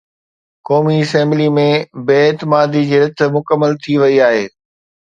قومي اسيمبلي ۾ بي اعتمادي جي رٿ مڪمل ٿي وئي آهي